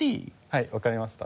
はい分かりました。